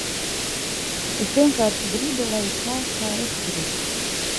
Es vienkārši gribu, lai ir tā, kā es gribu.